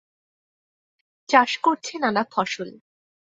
চাষ করছে নানা ফসল।